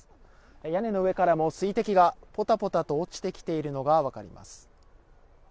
屋根の上からも水滴がポタポタと落ちてきているのが分かります。